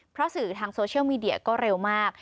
เพราะสื่อทางโซเชียลมีเดียก็เร็วมาก